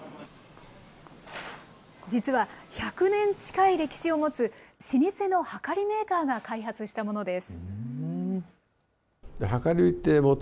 実は１００年近い歴史を持つ老舗のはかりメーカーが開発したものです。